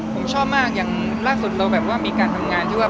ผมชอบมากอย่างล่าสุดเราแบบว่ามีการทำงานที่ว่า